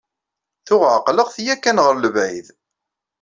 Tuɣ ɛeqleɣ-t yakan ɣer lebɛid.